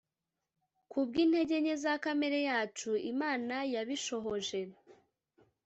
kubw intege nke za kamere yacu imana yabishohoje